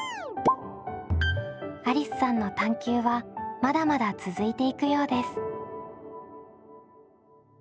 ありすさんの探究はまだまだ続いていくようです。